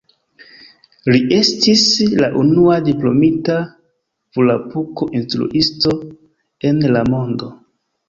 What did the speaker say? Li estis la unua diplomita volapuko-instruisto en la mondo.